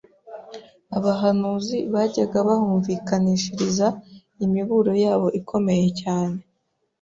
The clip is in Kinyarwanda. Abahanuzi bajyaga bahumvikanishiriza imiburo yabo ikomeye cyane